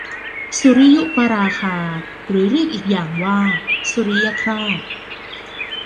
สุริยุปราคา หรือเรียกอีกอย่างว่าสุริยคราส